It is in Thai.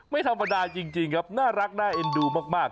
ไม่ธรรมดาจริงครับน่ารักน่าเอ็นดูมาก